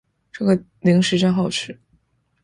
这个零食真好吃